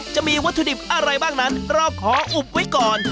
จะมีวัตถุดิบอะไรบ้างนั้นเราขออุบไว้ก่อน